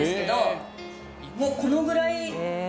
もうこのぐらい。